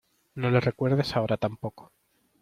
no le recuerdes ahora tampoco.